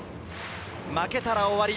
負けたら終わり。